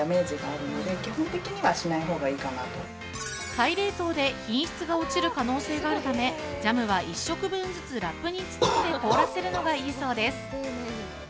再冷凍で品質が落ちる可能性があるためジャムは１食分ずつラップに包んで凍らせるのがいいそうです。